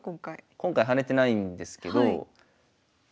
今回跳ねてないんですけどま